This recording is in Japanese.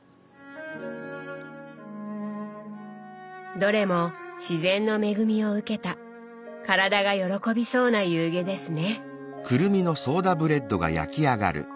どれも自然の恵みを受けた体が喜びそうな夕げですね。